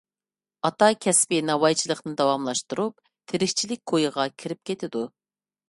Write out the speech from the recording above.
ئاتا كەسپى ناۋايچىلىقنى داۋاملاشتۇرۇپ، تىرىكچىلىك كويىغا كېرىپ كېتىدۇ.